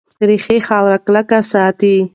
ریښې خاوره کلکه ساتي.